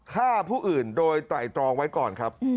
ฆ่าผู้อื่นโดยไตรตรองไว้ก่อนครับ